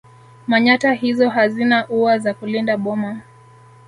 Manyatta hizo hazina ua za kulinda boma